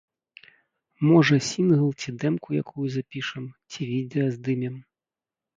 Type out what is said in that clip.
Можа, сінгл ці дэмку якую запішам, ці відэа здымем.